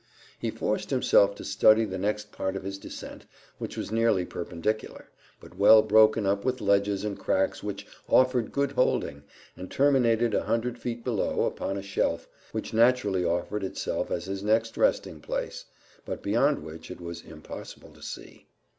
He forced himself to study the next part of his descent, which was nearly perpendicular, but well broken up with ledges and cracks which offered good holding, and terminated a hundred feet below, upon a shelf, which naturally offered itself as his next resting place, but beyond which it was impossible to see.